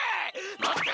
待ってろ！